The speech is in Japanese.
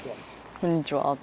こんにちは。